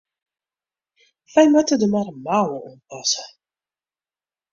We moatte der mar in mouwe oan passe.